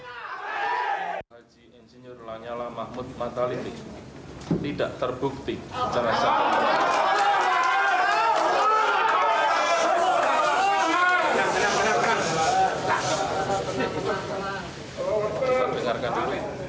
haji insinyur lanyala mahmud mataliti tidak terbukti secara santun